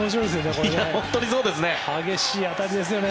本当にそうですね。